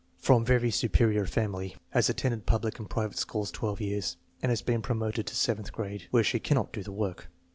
From very superior family. Has attended public and private schools twelve years and has been promoted to seventh grade, where she cannot do the work.